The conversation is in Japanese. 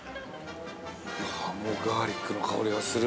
◆もうガーリックの香りがする。